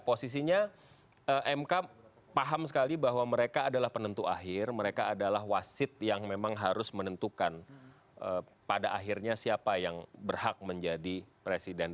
posisinya mk paham sekali bahwa mereka adalah penentu akhir mereka adalah wasit yang memang harus menentukan pada akhirnya siapa yang berhak menjadi presiden